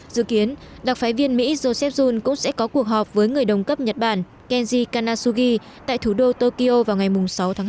dự kiến đặc phái viên mỹ joseph jun cũng sẽ có cuộc họp với người đồng cấp nhật bản kenji kanasugi tại thủ đô tokyo vào ngày sáu tháng